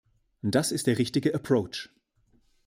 Das ist der richtige approach .